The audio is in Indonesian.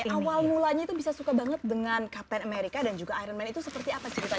awal mulanya itu bisa suka banget dengan kapten america dan juga iron man itu seperti apa ceritanya